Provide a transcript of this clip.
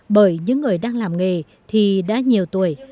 bởi những người đang làm nghề thì đã nhiều tuổi